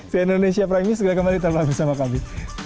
si indonesia prime news sudah kembali terbuka bersama kami